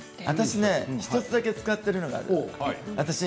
私１つだけ使ってるのがある。